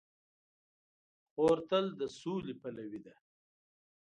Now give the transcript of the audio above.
خور تل د سولې پلوي ده.